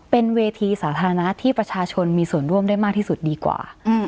เป็นเวทีสาธารณะที่ประชาชนมีส่วนร่วมได้มากที่สุดดีกว่า